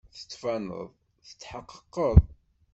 Tettbaneḍ tetḥeqqeqeḍ.